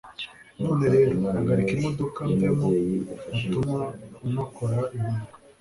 none rero hagarika imodoka mvemo ntatuma unakora impanuka